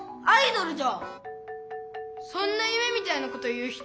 そんなゆめみたいなこと言う人